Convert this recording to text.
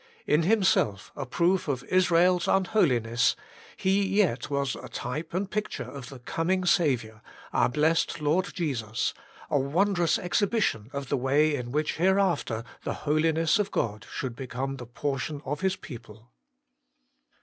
In himself a proof of Israel's unholiness, he yet was a type and picture of the coming Saviour, our blessed Lord Jesus, a wondrous exhibition of the way in which hereafter the holiness of God should become the portion of His people.